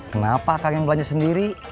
kenapa akang ingin belanja sendiri